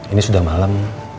ini sudah malam